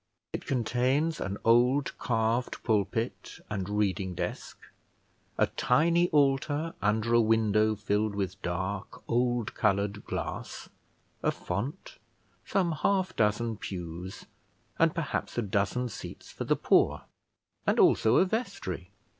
It contains an old carved pulpit and reading desk, a tiny altar under a window filled with dark old coloured glass, a font, some half dozen pews, and perhaps a dozen seats for the poor; and also a vestry.